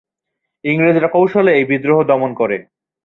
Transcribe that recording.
ইংরেজরা কৌশলে এই বিদ্রোহ দমন করে।